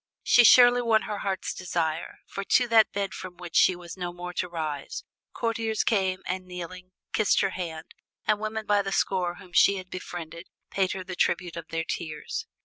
She surely won her heart's desire, for to that bed from which she was no more to rise, courtiers came and kneeling kissed her hand, and women by the score whom she had befriended paid her the tribute of their tears.